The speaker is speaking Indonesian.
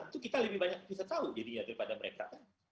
itu kita lebih bisa tahu daripada mereka